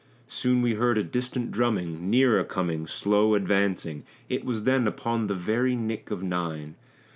Soon we heard a distant drumming, nearer coming, slow advancing It was then upon the very nick of nine.